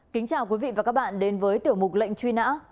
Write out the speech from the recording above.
kính chào quý vị và các bạn đến với tiểu mục lệnh truy nã